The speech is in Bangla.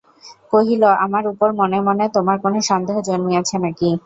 কহিল, আমার উপর মনে মনে তোমার কোনো সন্দেহ জন্মিয়াছে নাকি।